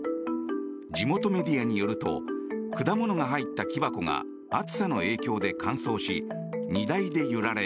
地元メディアによると果物が入った木箱が暑さの影響で乾燥し荷台で揺られ